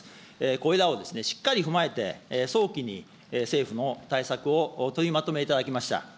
これらをしっかり踏まえて、早期に政府も対策を取りまとめていただきました。